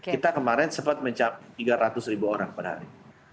kita kemarin sempat mencapai tiga ratus ribu orang per hari